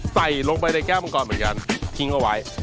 ใส่ลงไปในแก้วมังกรเหมือนกันทิ้งเอาไว้